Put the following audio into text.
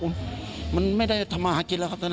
มันไม่ได้ทำมากินเลยครับว่านั้น